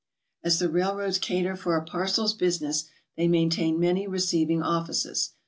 As the railroads cater for a parcels business, they main tain many receiving offices.